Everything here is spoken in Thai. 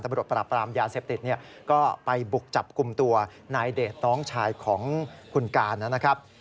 ตำรวจปราบปรามยาเสพติดเนี่ยก็ไปบุกจับกลุ่มตัวนายเดชน้องชายของคุณการนะครับ